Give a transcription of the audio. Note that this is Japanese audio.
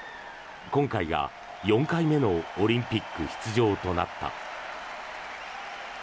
今回が４回目のオリンピック出場となった。